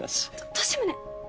利宗！